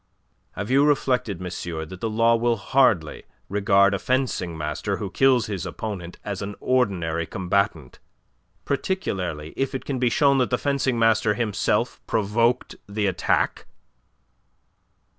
"Have you reflected, monsieur, that the law will hardly regard a fencing master who kills his opponent as an ordinary combatant, particularly if it can be shown that the fencing master himself provoked the attack?"